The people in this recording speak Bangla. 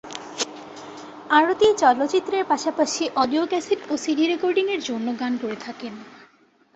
আরতি চলচ্চিত্রের পাশাপাশি অডিও ক্যাসেট ও সিডি রেকর্ডিং-এর জন্য গান করে থাকেন।